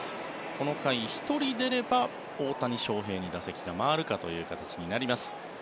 この回、１人出れば大谷翔平に打席が回るかという形になります。